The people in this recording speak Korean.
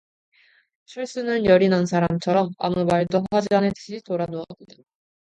철수는 열이 난 사람처럼 아무 말도 하지 않을 듯이 돌아누웠다.